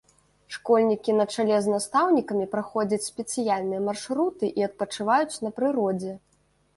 Школьнікі на чале з настаўнікамі праходзяць спецыяльныя маршруты і адпачываюць на прыродзе.